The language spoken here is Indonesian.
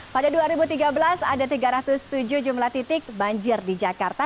pada dua ribu tiga belas ada tiga ratus tujuh jumlah titik banjir di jakarta